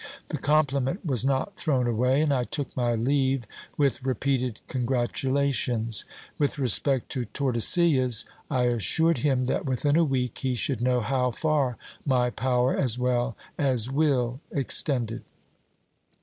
The compliment was not thrown away, and I took my leave with repeated congratulations. With respect to Tordesillas, I assured him that within a week he should know how far my power as well as will extended.